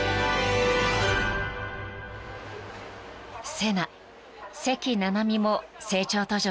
［セナ関菜々巳も成長途上の人］